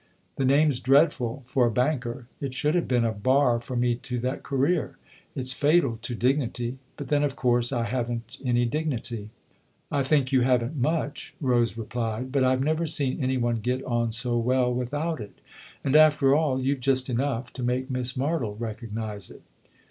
The name's dreadful for a banker; it should have been a bar for me to that career. It's fatal to dignity. But then of course I haven't any dignity." " I think you haven't much," Rose replied. " But I've never seen any one get on so well without it; and, after all, you've just enough to make Miss Martle recognise it."